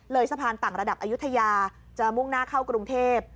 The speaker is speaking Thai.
สะพานต่างระดับอายุทยาจะมุ่งหน้าเข้ากรุงเทพ